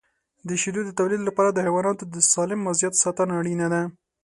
د شیدو د تولید لپاره د حیواناتو د سالم وضعیت ساتنه اړینه ده.